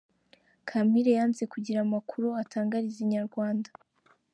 Kampire yanze kugira amakuru atangariza Inyarwanda.